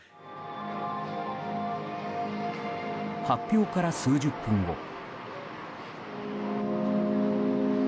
発表から数十分後。